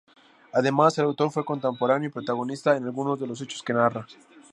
Además, el autor fue contemporáneo y protagonista de algunos de los hechos que narra.